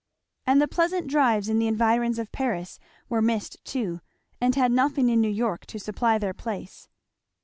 And the pleasant drives in the environs of Paris were missed too and had nothing in New York to supply their place.